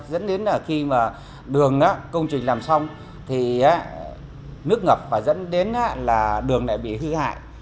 dẫn đến là khi mà đường công trình làm xong thì nước ngập và dẫn đến là đường lại bị hư hại